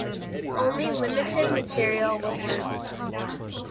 Only limited material was found.